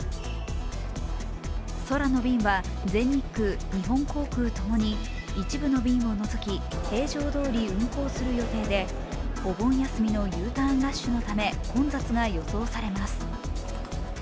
空の便は全日空・日本航空ともに一部の便を除き平常どおり運航する予定でお盆休みのＵターンラッシュのため混雑が予想されます。